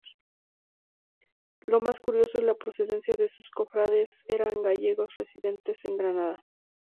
Lo más curioso es la procedencia de sus cofrades: eran gallegos residentes en Granada.